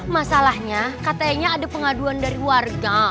masalahnya katanya ada pengaduan dari warga